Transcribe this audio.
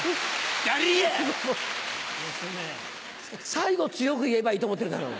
最後強く言えばいいと思ってるだろう。